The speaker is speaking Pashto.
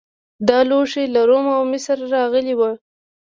دا لوښي له روم او مصر راغلي وو